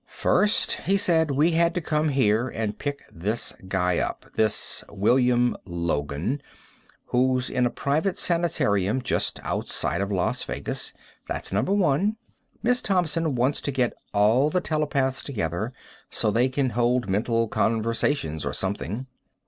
"First," he said, "we had to come here and pick this guy up. This William Logan, who's in a private sanitarium just outside of Las Vegas. That's number one. Miss Thompson wants to get all the telepaths together, so they can hold mental conversations or something."